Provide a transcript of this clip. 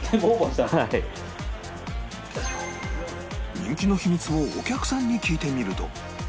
人気の秘密をお客さんに聞いてみると